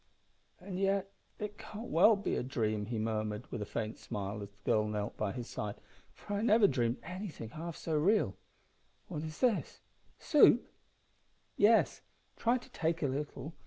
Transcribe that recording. "And yet it can't well be a dream," he murmured, with a faint smile, as the girl knelt by his side, "for I never dreamed anything half so real. What is this soup?" "Yes; try to take a little.